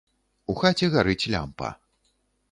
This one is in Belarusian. У хаце гарыць лямпа.